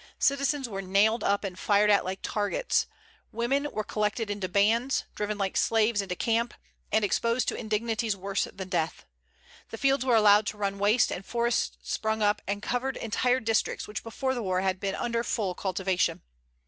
Citizens were nailed up and fired at like targets. Women were collected into bands, driven like slaves into camp, and exposed to indignities worse than death. The fields were allowed to run waste, and forests sprung up and covered entire districts which before the war had been under full cultivation."